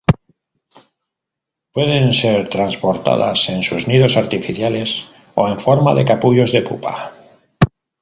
Pueden ser transportadas en sus nidos artificiales o en forma de capullos de pupa.